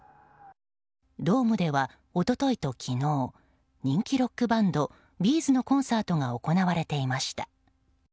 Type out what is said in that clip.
ドームでは、一昨日と昨日人気ロックバンドＢ’ｚのコンサートが行われていました。